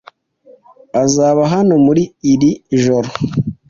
Azaba hano muri iri joro.